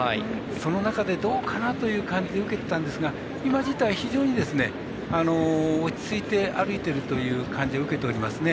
その中で、どうかなという感じで受けてたんですが今自体、非常に落ち着いて歩いてるという感じを受けておりますね。